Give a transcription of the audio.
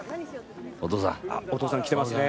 お父さん来てますね。